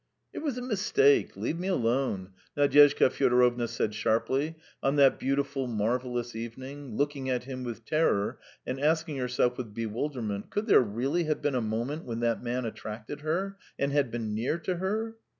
"It was a mistake! Leave me alone!" Nadyezhda Fyodorovna said sharply, on that beautiful, marvellous evening, looking at him with terror and asking herself with bewilderment, could there really have been a moment when that man attracted her and had been near to her?